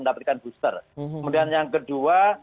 mendapatkan booster kemudian yang kedua